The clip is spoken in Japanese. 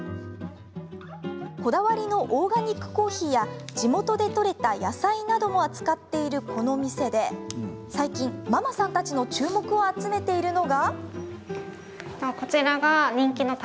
こだわりのオーガニックコーヒーや地元で取れた野菜なども扱っているこの店で最近、ママさんたちの注目を集めているのが。